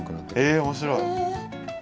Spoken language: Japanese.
へえ面白い。